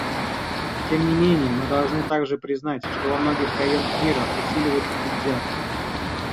Тем не менее мы должны также признать, что во многих районах мира усиливается предвзятость.